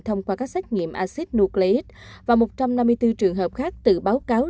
thông qua các xét nghiệm acid nucleic và một trăm năm mươi bốn trường hợp khác tự báo cáo